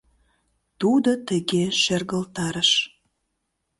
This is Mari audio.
Тудо тыге шергылтарыш: